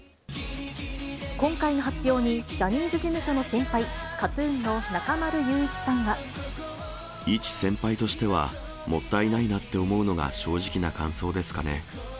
今回の発表に、ジャニーズ事務所の先輩、一先輩としては、もったいないなと思うのが正直な感想ですかね。